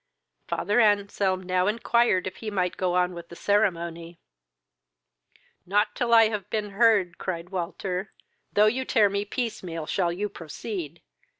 Father Anselm now inquired if he might go on with the ceremony. "Not till I have been heard, (cried Walter,) though you tear me piece meal, shall you proceed!"